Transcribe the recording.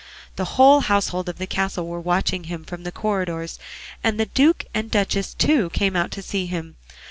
The whole household of the castle were watching him from the corridors, and the duke and duchess, too, came out to see him.